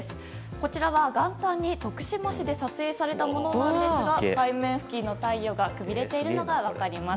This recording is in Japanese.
こちらは、元旦に徳島市で撮影されたものなんですが海面付近の太陽がくびれているのが分かります。